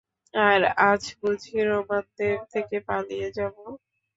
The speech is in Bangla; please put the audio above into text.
আর আজ বুঝি রোমানদের থেকে পালিয়ে যাব?